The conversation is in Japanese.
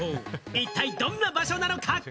一体どんな場所なのか？